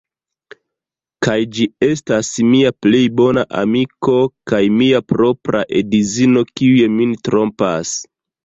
Kaj ĝi estas mia plej bona amiko kaj mia propra edzino, kiuj min trompas!